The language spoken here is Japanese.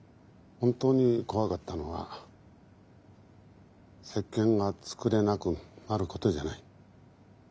本当に怖かったのは石鹸が作れなくなることじゃない。